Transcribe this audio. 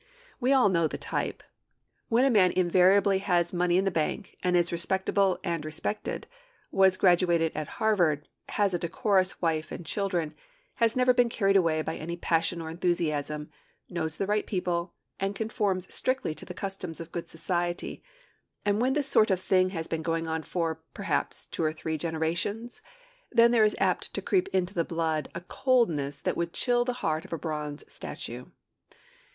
We all know the type. When a man invariably has money in the bank, and is respectable and respected, was graduated at Harvard, has a decorous wife and children, has never been carried away by any passion or enthusiasm, knows the right people, and conforms strictly to the customs of good society; and when this sort of thing has been going on for, perhaps, two or three generations, then there is apt to creep into the blood a coldness that would chill the heart of a bronze statue.